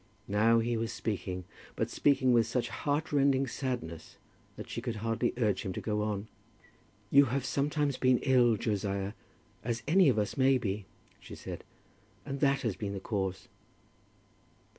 Now he was speaking, but speaking with such heartrending sadness that she could hardly urge him to go on. "You have sometimes been ill, Josiah, as any of us may be," she said, "and that has been the cause."